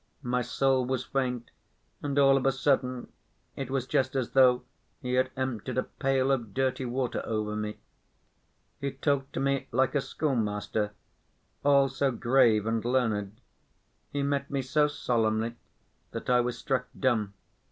My soul was faint, and all of a sudden it was just as though he had emptied a pail of dirty water over me. He talked to me like a schoolmaster, all so grave and learned; he met me so solemnly that I was struck dumb.